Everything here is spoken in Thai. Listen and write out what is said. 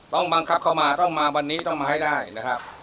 ต้องบังคับเข้ามาต้องมาวันนี้ต้องมาให้ได้นะครับ